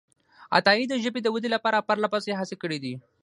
عطایي د ژبې د ودې لپاره پرلهپسې هڅې کړې دي.